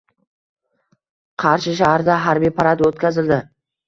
Qarshi shahrida harbiy parad o‘tkazildi